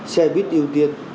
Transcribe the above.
xe buýt ưu tiên